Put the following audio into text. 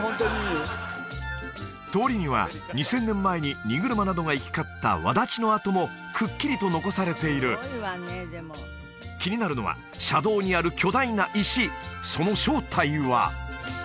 通りには２０００年前に荷車などが行き交った轍の跡もくっきりと残されている気になるのは車道にある巨大な石その正体は？